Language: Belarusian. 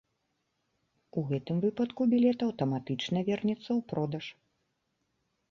У гэтым выпадку білет аўтаматычна вернецца ў продаж.